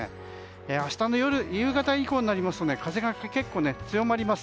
明日の夕方以降になると風が結構強まります。